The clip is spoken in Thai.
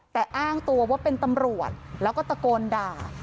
แต่อ้างตัวว่าเป็นตำรวจแล้วก็ตะโกนด่า